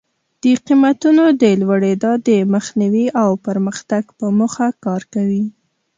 د قیمتونو د لوړېدا د مخنیوي او پرمختګ په موخه کار کوي.